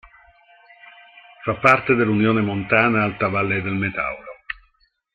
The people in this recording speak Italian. Fa parte dell'Unione montana Alta valle del Metauro.